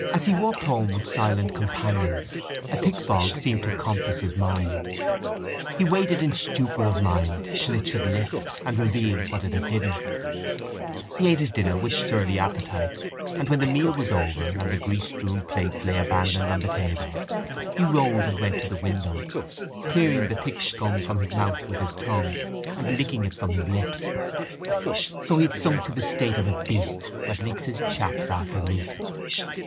As he walked home with silent companions a thick fog seemed to compass his mind. He waited in stupor of mind till it should lift and reveal what it had hidden. He ate his dinner with surly appetite and when the meal was over and the grease strewn plates lay abandoned on the table, he rose and went to the window, clearing the thick scum from his mouth with his tongue and licking it from his lips. So he had sunk to the state of a beast that licks his chaps after meat.